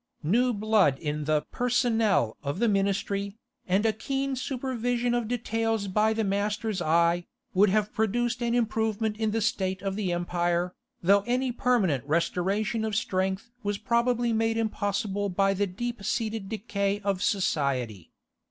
New blood in the personnel of the ministry, and a keen supervision of details by the master's eye, would have produced an improvement in the state of the empire, though any permanent restoration of strength was probably made impossible by the deep seated decay of society.